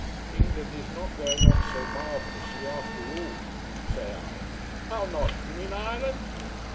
"England is not going on so marvellously, after all," say I. "How not? You mean Ireland?"